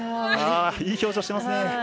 いい表情、してますね。